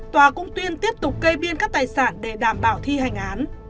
tòa cung tuyên tiếp tục cây biên các tài sản để đảm bảo thi hành án